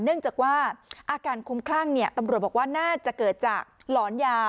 เนื่องจากว่าอาการคุ้มคลั่งตำรวจบอกว่าน่าจะเกิดจากหลอนยา